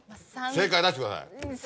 正解出してください。